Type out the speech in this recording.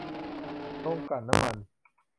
โรงกลั่นน้ำมัน